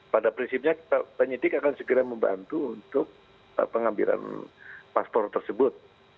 pada prinsipnya penyidik akan segera membantu untuk pengambilan paspor tersebut